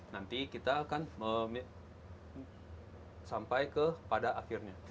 nanti kita akan sampai ke pada akhirnya